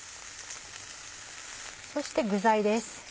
そして具材です。